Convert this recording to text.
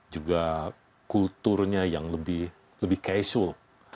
juga kulturnya yang lebih casual